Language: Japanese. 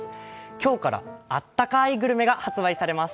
今日からあったかいグルメが発売されます。